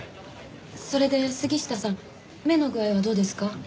それで杉下さん目の具合はどうですか？